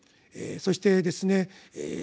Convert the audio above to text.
そしてですね